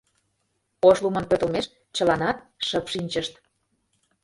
Ошлумын пӧртылмеш чыланат шып шинчышт.